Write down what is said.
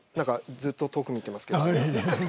ずっと遠くを見てますけど。